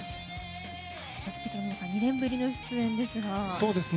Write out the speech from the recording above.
スピッツの皆さん２年ぶりの出演ですが。